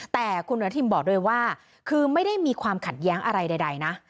แต่คุณอนุทินบอกเลยว่าคือไม่ได้มีความขัดแย้งอะไรใดนะ